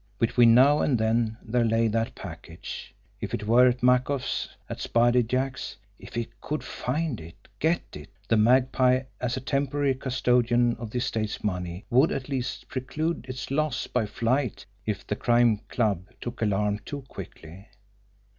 Between now and then there lay that package! If it were at Makoff's, at Spider Jack's, if he could find it, get it the Magpie as a temporary custodian of the estate's money would at least preclude its loss by flight if the Crime Club took alarm too quickly.